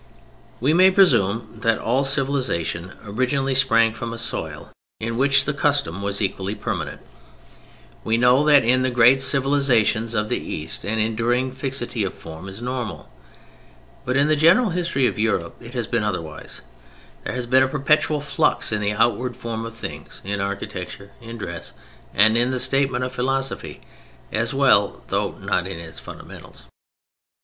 We may presume that all civilization originally sprang from a soil in which custom was equally permanent. We know that in the great civilizations of the East an enduring fixity of form is normal. But in the general history of Europe, it has been otherwise. There has been a perpetual flux in the outward form of things, in architecture, in dress, and in the statement of philosophy as well (though not in its fundamentals).